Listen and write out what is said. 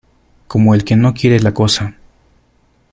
como el que no quiere la cosa.